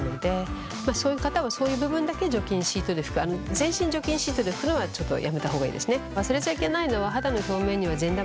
全身を除菌シートで拭くのはちょっとやめた方がいいですね。